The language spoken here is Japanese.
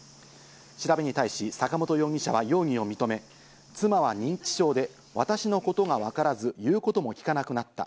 調べに対し坂本容疑者は容疑を認め、妻は認知症で私のことがわからず、言うことも聞かなくなった。